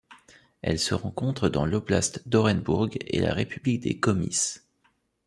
Elle se rencontre dans l'oblast d'Orenbourg et la République des Komis.